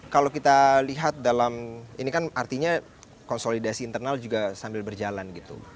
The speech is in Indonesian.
kalau kita lihat dalam ini kan artinya konsolidasi internal juga sambil berjalan gitu